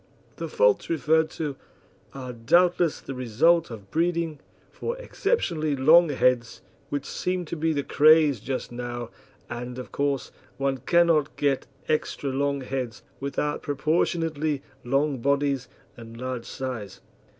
The faults referred to are doubtless the result of breeding for exceptionally long heads, which seem to be the craze just now, and, of course, one cannot get extra long heads without proportionately long bodies and large size.